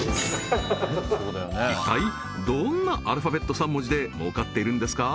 一体どんなアルファベット３文字で儲かっているんですか？